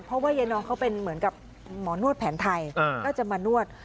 เพราะว่ายายน้องเขาเป็นเหมือนกับหมอนวดแผนไทยก็จะมานวด